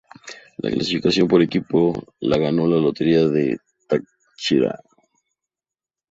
La clasificación por equipos la ganó Lotería del Táchira.